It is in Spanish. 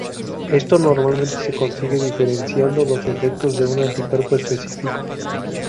Esto normalmente se consigue diferenciando los efectos de un anticuerpo específico.